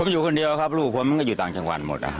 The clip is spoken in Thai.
ผมอยู่คนเดียวครับลูกผมมันก็อยู่ต่างจังหวัดหมด